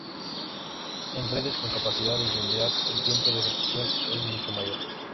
En redes con capacidades de unidad, el tiempo de ejecución es mucho mayor.